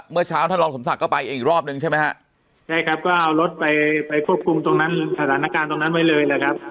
เมื่อเช้าท่านรองสมศักดิ์ก็ไปเองอีกรอบนึงใช่ไหมฮะใช่ครับก็เอารถไปไปควบคุมตรงนั้นสถานการณ์ตรงนั้นไว้เลยนะครับ